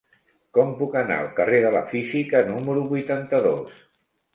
Com puc anar al carrer de la Física número vuitanta-dos?